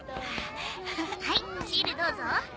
はいシールどうぞ。